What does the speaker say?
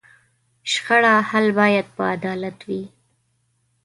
د شخړو حل باید په عدالت وي.